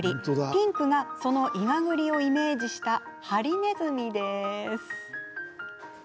ピンクがその、いがぐりをイメージしたハリネズミです。